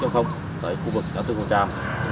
tại khu vực nhà tư phòng trang